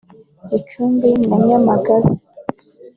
Gicumbi na Nyamagabe